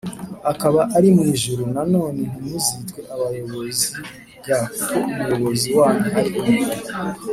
akaba ari mu ijuru Nanone ntimuzitwe abayobozi g kuko Umuyobozi wanyu ari umwe